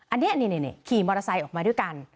อันนี้ขี่มอเตอร์ไซค์ออกมาด้วยกัน